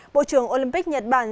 bộ trưởng olympic nhật bản